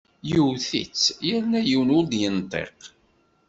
Iwet-itt yerna yiwen ur d-yenṭiq!